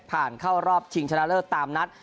ผ่านเข้ารอบถึงชนะเลิศตามนัด